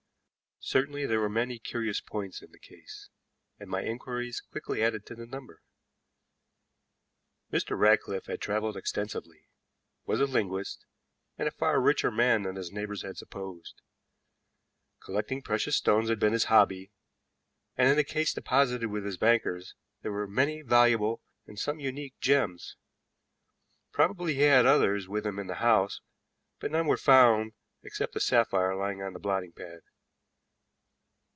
Certainly there were many curious points in the case, and my inquiries quickly added to the number. Mr. Ratcliffe had traveled extensively, was a linguist, and a far richer man than his neighbors had supposed. Collecting precious stones had been his hobby, and in a case deposited with his bankers there were many valuable, and some unique, gems. Probably he had others with him in the house, but none were found except the sapphire lying on the blotting pad.